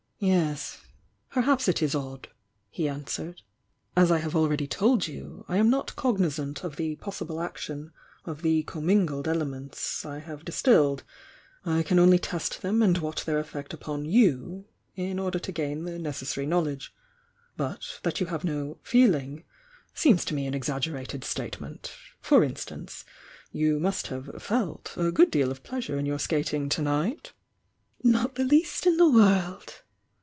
"Yes — perhaps it is odd," he answered. "As I have already told you, I am not cognisant of the possible action of the commingled elements I have distilled, — I can only test them and watch their effect upon you, in order to gain the necessary knowledge. But that you have no 'feeling' seems to me an exaggerated statement, — for instance, you must have 'felt' a good deal of pleasure in your skating to night?" "Not the least in the world!"